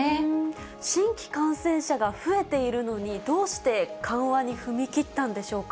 新規感染者が増えているのに、どうして緩和に踏み切ったんでしょうか。